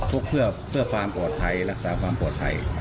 เพื่อความปลอดภัยรักษาความปลอดภัย